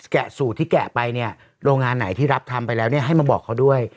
สูตรที่แกะไปเนี่ยโรงงานไหนที่รับทำไปแล้วเนี่ยให้มาบอกเขาด้วย